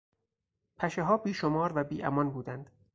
پشهها بیشمار و بیامان بودند.